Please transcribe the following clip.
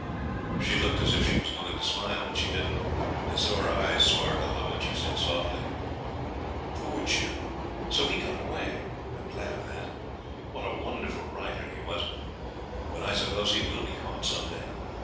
She looked as if she was going to smile, but she didn't. I saw her eyes sparkle, though, and she said softly 'Poor Jim! so he got away; I am glad of that. What a wonderful rider he was! But I suppose he will be caught some day.